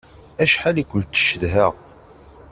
Acḥal i kent-cedhaɣ!